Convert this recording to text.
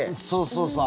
そうそう。